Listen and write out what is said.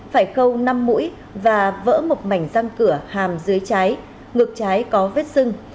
phải khâu năm mũi và vỡ một mảnh răng cửa hàm dưới trái ngược trái có vết sưng